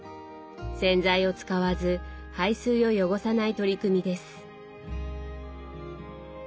洗剤を使わず排水を汚さない取り組みです。